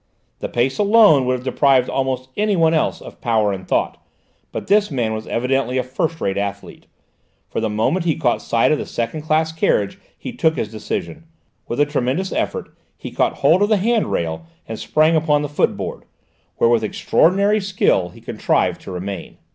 The pace alone would have deprived almost anyone else of power of thought, but this man was evidently a first rate athlete, for the moment he caught sight of the second class carriage he took his decision. With a tremendous effort he caught hold of the hand rail and sprang upon the footboard, where, with extraordinary skill, he contrived to remain.